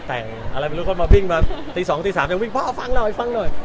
แต่งอะไรไม่รู้ก็มาวิ่งมาตี๒ตี๓ยังวิ่งพ่อฟังเราไปฟังหน่อย